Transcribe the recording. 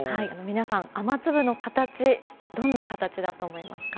皆さん、雨粒の形どんな形だと思いますか。